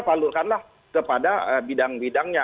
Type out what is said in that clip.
valurkanlah kepada bidang bidangnya